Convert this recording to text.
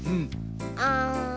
あん。